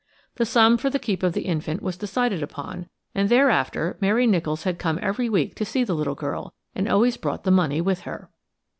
The sum for the keep of the infant was decided upon, and thereafter Mary Nicholls had come every week to see the little girl, and always brought the money with her.